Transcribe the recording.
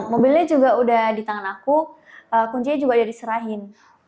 mobilnya juga udah di tangan aku kuncinya juga udah diserahin